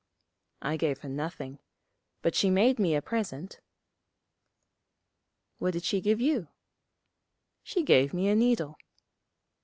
'I gave her nothing. But she made me a present.' 'What did she give you?' 'She gave me a needle.'